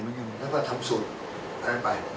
แล้วก็ทำสูตรไป